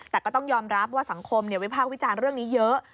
แต่ก็ต้องยอมรับว่าสังคมวิพากษ์วิจารณ์เรื่องนี้เยอะ